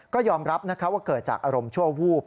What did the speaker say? ก็ยอมรับว่าเกิดจากอารมณ์ชั่ววูบ